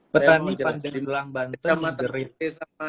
petani pandagelang banten menjerit panen